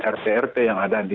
rt rt yang ada di